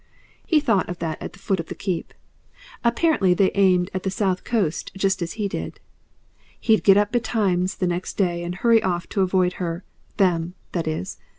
He thought of that at the foot of the Keep. Apparently they aimed at the South Coast just as he did, He'd get up betimes the next day and hurry off to avoid her them, that is.